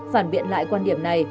phản biện lại quan điểm này